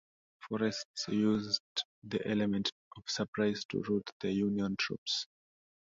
Forrest used the element of surprise to rout the Union troops.